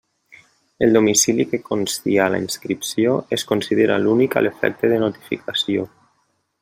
El domicili que consti a la inscripció es considera l'únic a l'efecte de notificació.